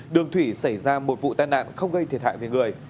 đường thủy xảy ra một vụ tai nạn không gây thiệt hại về người